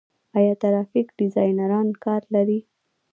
آیا ګرافیک ډیزاینران کار لري؟